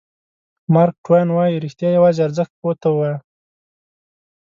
مارک ټواین وایي رښتیا یوازې ارزښت پوه ته ووایه.